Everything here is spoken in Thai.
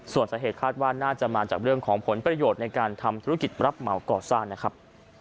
ส่วนสาเหตุคาดว่าน่าจะมาจากเรื่องของผลประโยชน์ในการทำธุรกิจรับเหมาก่อสร้างนะครับ